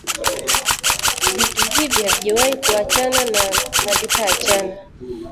Vitu hivi havijawahi kuachana na havitaachana